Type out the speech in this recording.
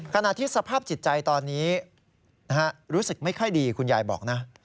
ขณะที่สภาพจิตใจตอนนี้รู้สึกไม่ค่อยดีคุณยายบอกนะ